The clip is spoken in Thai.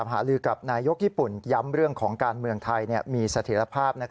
หาลือกับนายกญี่ปุ่นย้ำเรื่องของการเมืองไทยมีเสถียรภาพ